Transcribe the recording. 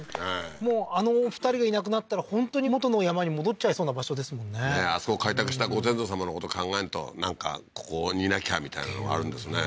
もうあのお二人がいなくなったら本当に元の山に戻っちゃいそうな場所ですもんねねえあそこ開拓したご先祖さまのこと考えるとなんかここにいなきゃみたいなのがあるんですね